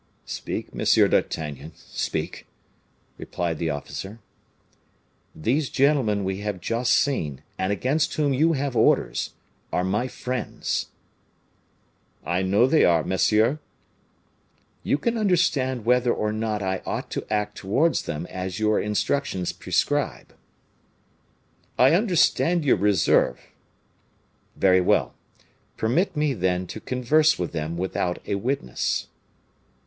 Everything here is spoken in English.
"Speak, Monsieur d'Artagnan, speak," replied the officer. "These gentlemen we have just seen, and against whom you have orders, are my friends." "I know they are, monsieur." "You can understand whether or not I ought to act towards them as your instructions prescribe." "I understand your reserve." "Very well; permit me, then, to converse with them without a witness."